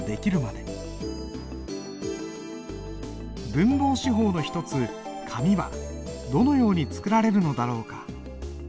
「文房四宝」の一つ紙はどのように作られるのだろうか？